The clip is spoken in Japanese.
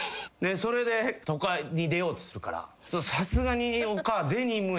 それで都会に出ようとするから。